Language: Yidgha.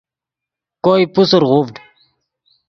کوئے پوسر غوڤڈ